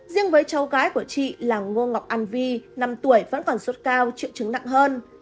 riêng với cháu gái của chị là ngô ngọc an vi năm tuổi vẫn còn sốt cao triệu chứng nặng hơn